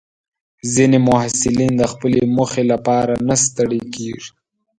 ځینې محصلین د خپلې موخې لپاره نه ستړي کېږي.